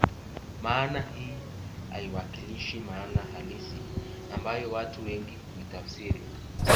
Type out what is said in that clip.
Maana hii haiwakilishi maana halisi ambayo watu wengi huitafsiri